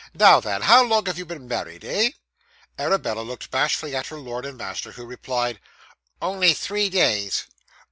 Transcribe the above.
'Now then; how long have you been married, eh?' Arabella looked bashfully at her lord and master, who replied, 'Only three days.